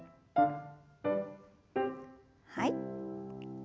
はい。